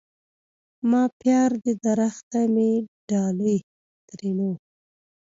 ما پيار دي درخته مي ډالی؛ ترينو